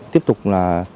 tiếp tục là